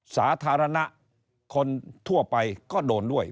สาธารณะคนทั่วไปก็โดนด้วย